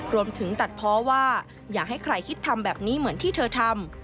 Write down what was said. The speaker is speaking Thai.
รวมถึงตัดเพราะว่าอย่าให้ใครคิดทำแบบนี้เหมือนที่เธอทำ